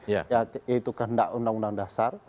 yaitu ke undang undang dasar